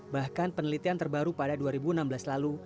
bahkan penelitian terbaru pada dua ribu enam belas lalu